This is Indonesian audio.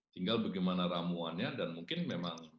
tinggal bagaimana ramuannya dan mungkin memang